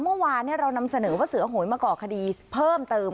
เมื่อวานเรานำเสนอว่าเสือโหยกมาก่อคดีเพิ่มเติม